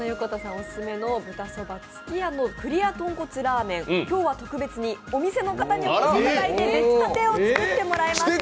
オススメの豚そば月やのクリア豚骨ラーメン、今日は特別にお店の方にお越しいただいて出来たてを作ってもらえました。